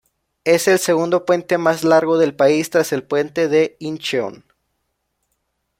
Es el segundo puente más largo del país, tras el Puente de Incheon.